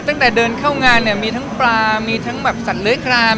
ตั้งแต่เดินเข้างานเนี่ยมีทั้งปลามีทั้งแบบสัตว์เลื้อยคลาม